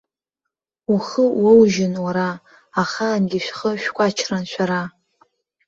Ухы уоужьын уара, ахаангьы шәхы шәкәачран шәара!